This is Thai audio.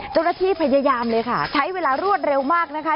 เจ้าหน้าที่พยายามเลยค่ะใช้เวลารวดเร็วมากนะคะ